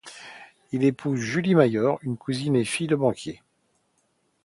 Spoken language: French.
Il épouse Julie Mayor, une cousine et fille de banquier.